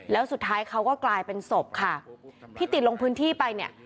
แล้วสุดท้ายเขาก็กลายเป็นศพค่ะที่ติดลงพื้นที่ไปเนี่ย